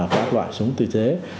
các loại súng tự chế